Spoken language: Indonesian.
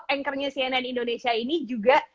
anchor nya cnn indonesia ini juga